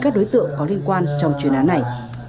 các đối tượng có liên quan trong chuyên án này